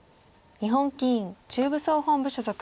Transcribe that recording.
日本棋院中部総本部所属。